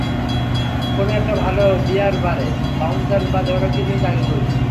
কোন একটা ভালো বিয়ার বারে, বাউন্সার বা দেহরক্ষী হিসেবে চাকরি করবো।